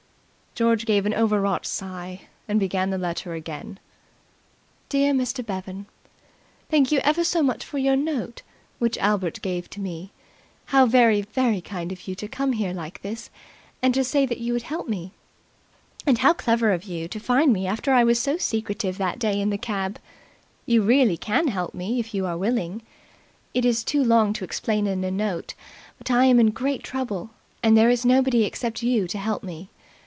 George gave an overwrought sigh and began the letter again. "DEAR MR. BEVAN, "Thank you ever so much for your note which Albert gave to me. How very, very kind of you to come here like this and to say that you would help me. And how clever of you to find me after I was so secretive that day in the cab! You really can help me, if you are willing. It's too long to explain in a note, but I am in great trouble, and there is nobody except you to help me.